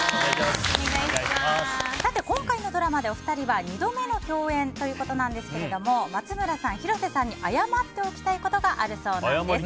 今回のドラマでお二人は２度目の共演ということですが松村さん、広瀬さんに謝っておきたいことがあるそうなんです。